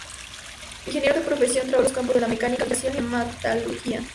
Ingeniero de profesión, trabajó los campos de la mecánica, la refrigeración y la metalurgia.